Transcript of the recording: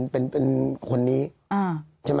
เป็นคนนี้ใช่ไหม